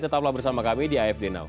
tetaplah bersama kami di afd now